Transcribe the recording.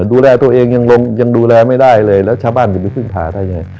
ดูแลตัวเองยังลงยังดูแลไม่ได้เลยแล้วชาวบ้านจะไปพึ่งพาได้ยังไง